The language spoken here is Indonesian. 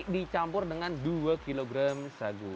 dicampur dengan dua kg sagu